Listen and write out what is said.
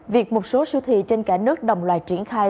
việc một số siêu thị trên cả nước đồng loạt triển khai